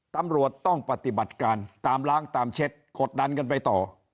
ตำรวจต้องปฏิบัติการตามล้างตามเช็ดกดดันกันไปต่อ